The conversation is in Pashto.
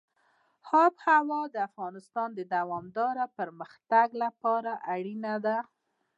آب وهوا د افغانستان د دوامداره پرمختګ لپاره اړینه ده.